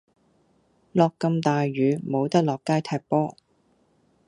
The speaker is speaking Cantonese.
落咁大雨，無得落街踢波。